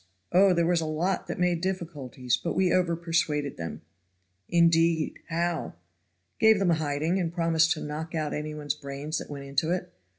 Oh! there was a lot that made difficulties, but we over persuaded them." "Indeed! How?" "Gave them a hiding, and promised to knock out any one's brains that went into it.